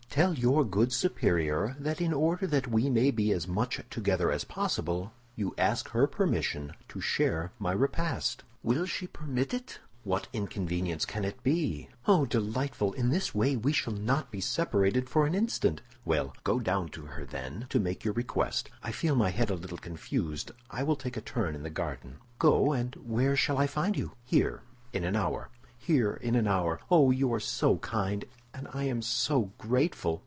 "Tell your good superior that in order that we may be as much together as possible, you ask her permission to share my repast." "Will she permit it?" "What inconvenience can it be?" "Oh, delightful! In this way we shall not be separated for an instant." "Well, go down to her, then, to make your request. I feel my head a little confused; I will take a turn in the garden." "Go; and where shall I find you?" "Here, in an hour." "Here, in an hour. Oh, you are so kind, and I am so grateful!"